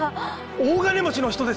大金持ちの人です！